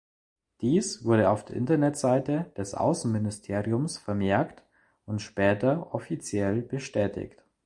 Dies wurde auf der Internetseite des Außenministeriums vermerkt und später offiziell bestätigt.